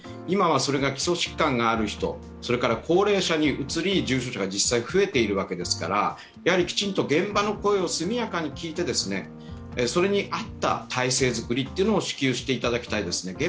今はそれが基礎疾患がある人、それから高齢者にうつり、重症者が実際に増えているわけですからきちんと現場の声を速やかに聞いて、それに合った体制作りを至急していただきたいですね。